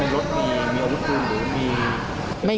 มีรถมีมีรถรุ่นหรือมี